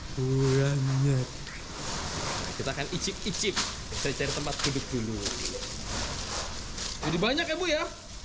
banyak kita akan icip icip saya cari tempat duduk dulu jadi banyak ya bu ya